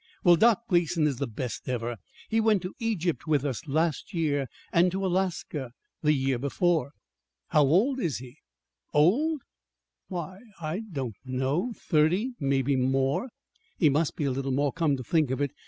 "Well, Doc Gleason is the best ever. He went to Egypt with us last year, and to Alaska the year before." "How old is he?" "Old? Why, I don't know thirty maybe more. He must be a little more, come to think of it.